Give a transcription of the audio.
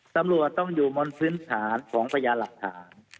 ตำรวจต้องอยู่บนพื้นฐานของพยานหลักฐาน